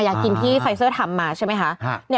อยากกินที่ไฟเซอร์ทำมาใช่ไหมคะ